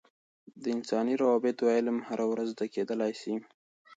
د انساني روابطو علم هره ورځ زده کیدلای سي.